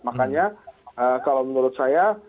makanya kalau menurut saya